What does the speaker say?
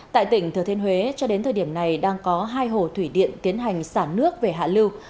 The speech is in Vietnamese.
tại tỉnh thừa thiên huế cho đến thời điểm này đang có hai hồ thủy điện tiến hành xả nước về hạ lưu